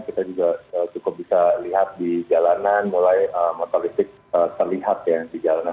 kita juga cukup bisa lihat di jalanan mulai motor listrik terlihat ya di jalanan